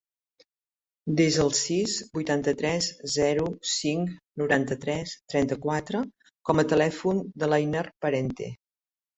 Desa el sis, vuitanta-tres, zero, cinc, noranta-tres, trenta-quatre com a telèfon de l'Einar Parente.